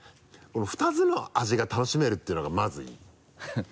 ２つの味が楽しめるっていうのがまずいい。